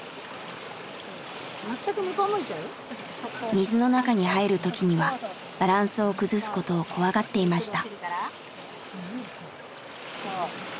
水の中に入る時にはバランスを崩すことを怖がっていました。